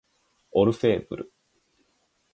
オルフェーヴル